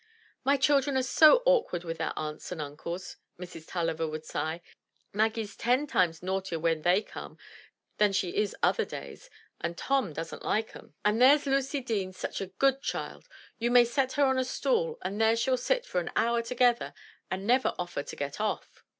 "My children are so awkward wi' their aunts and uncles/' 216 THE TREASURE CHEST Mrs. TuUiver would sigh, "Mag gie's ten times naughtier when they come than she is other days, and Tom doesn't like 'em. And there's Lucy Deane's such a good child, — you may set her on a stool and there she'll sit for an hour together, and never offer to get off."